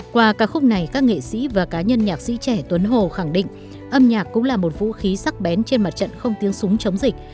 qua ca khúc này các nghệ sĩ và cá nhân nhạc sĩ trẻ tuấn hồ khẳng định âm nhạc cũng là một vũ khí sắc bén trên mặt trận không tiếng súng chống dịch